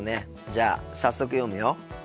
じゃあ早速読むよ。